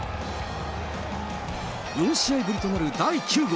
４試合ぶりとなる第９号。